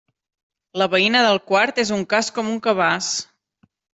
La veïna del quart és un cas com un cabàs.